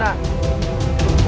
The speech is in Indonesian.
baik gusti prabu arkadana